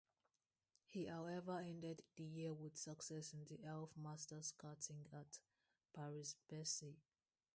He however ended the year with success in the Elf Masters Karting at Paris-Bercy.